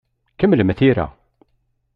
Kemmlem tira.